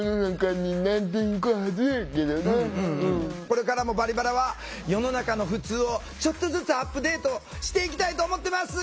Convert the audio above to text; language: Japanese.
これからも「バリバラ」は世の中のふつうをちょっとずつアップデートしていきたいと思ってます！